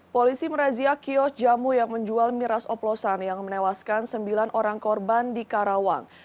polisi merazia kios jamu yang menjual miras oplosan yang menewaskan sembilan orang korban di karawang